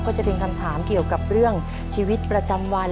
ก็จะเป็นคำถามเกี่ยวกับเรื่องชีวิตประจำวัน